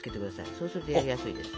そうするとやりやすいです。